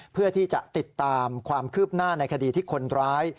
เพื่อที่จะติดตามความคืบหน้าในคดีที่คนร้าย